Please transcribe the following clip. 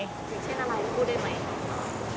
อย่างเช่นอะไรพูดได้ไหม